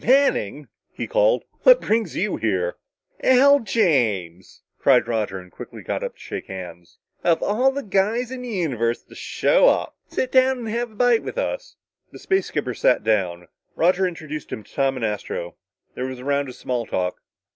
"Manning," he called, "what brings you here?" "Al James!" cried Roger and quickly got up to shake hands. "Of all the guys in the universe to show up! Sit down and have a bite with us." The space skipper sat down. Roger introduced him to Tom and Astro. There was a round of small talk.